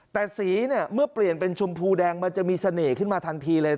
แต่สีเนี่ยเมื่อเปลี่ยนเป็นชมพูแดงมันจะมีเสน่ห์ขึ้นมาทันทีเลย